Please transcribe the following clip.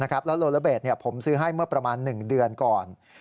แล้วโลละเบสผมซื้อให้เมื่อประมาณ๑เดือนก่อน